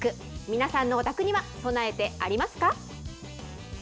皆さんのお宅には備えてありますか？